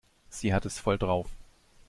Sie hat es voll drauf.